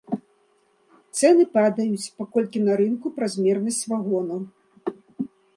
Цэны падаюць, паколькі на рынку празмернасць вагонаў.